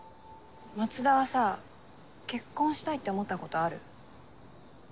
松田はさ結婚したいって思ったことある？